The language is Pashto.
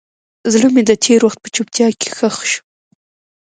زړه مې د تېر وخت په چوپتیا کې ښخ شو.